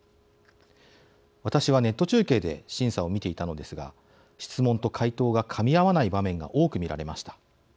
私は、ネット中継で審査を見ていたのですが質問と回答がかみ合わない場面が多く見られました。